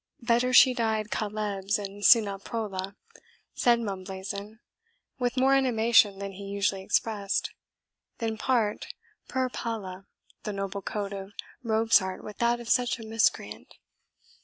"Better she died CAELEBS and SINE PROLE," said Mumblazen, with more animation than he usually expressed, "than part, PER PALE, the noble coat of Robsart with that of such a miscreant!"